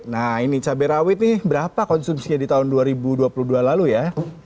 nah ini cabai rawit nih berapa konsumsinya di tahun dua ribu dua puluh dua lalu ya